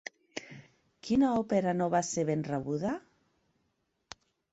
Quina òpera no va ser ben rebuda?